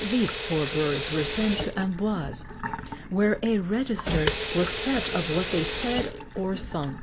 These poor birds were sent to Amboise, where a register was kept of what they said or sung.